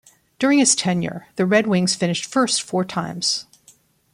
During his tenure, the Red Wings finished first four times.